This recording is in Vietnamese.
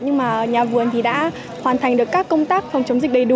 nhưng mà nhà vườn thì đã hoàn thành được các công tác phòng chống dịch đầy đủ